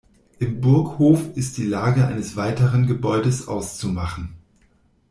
Im Burghof ist die Lage eines weiteren Gebäudes auszumachen.